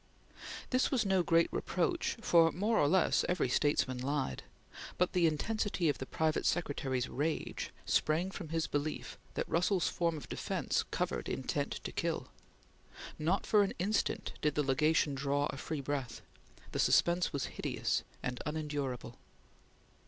This was no great reproach, for, more or less, every statesman lied, but the intensity of the private secretary's rage sprang from his belief that Russell's form of defence covered intent to kill. Not for an instant did the Legation draw a free breath. The suspense was hideous and unendurable.